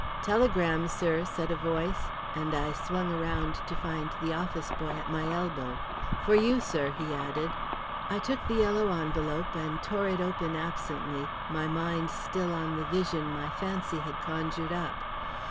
"Telegram, sir," said a voice, and I swung around to find the office boy at my elbow. "For you, sir," he added. I took the yellow envelope and tore it open absently, my mind still on the vision my fancy had conjured up.